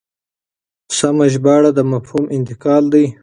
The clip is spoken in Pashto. سمه ژباړه د مفهوم انتقال دی.